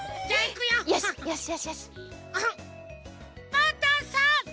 パンタンさん！